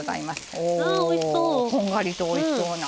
おー、こんがりとおいしそうな。